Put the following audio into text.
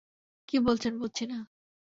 কী বলছেন বুঝছি না।